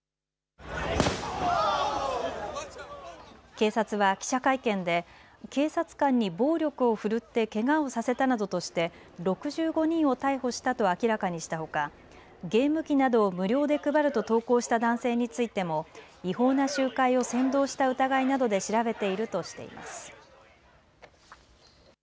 警察は記者会見で警察官に暴力を振るってけがをさせたなどとして６５人を逮捕したと明らかにしたほかゲーム機などを無料で配ると投稿した男性についても違法な集会を扇動した疑いなどで調べているとしています。